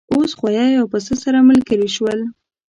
اوښ غوایی او پسه سره ملګري شول.